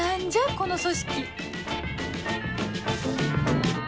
この組織